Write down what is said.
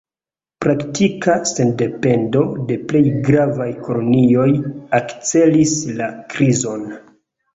Praktika sendependo de plej gravaj kolonioj akcelis la krizon.